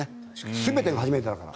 全てが初めてだから。